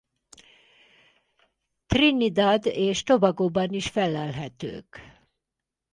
Trinidad és Tobagoban is fellelhetők.